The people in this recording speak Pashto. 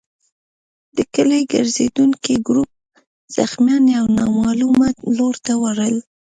د کلي ګرزېدونکي ګروپ زخمیان يو نامعلوم لور ته وړل.